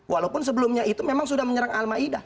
walaupun sebelumnya itu memang sudah menyerang al ma'idah